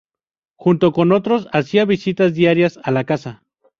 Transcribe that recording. Junto con otros hacía visitas diarias a la casa.